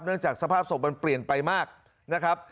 จากสภาพศพมันเปลี่ยนไปมากนะครับ